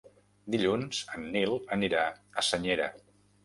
Dilluns en Nil anirà a Senyera.